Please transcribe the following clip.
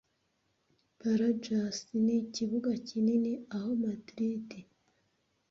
Barajas nikibuga kinini - aho Madrid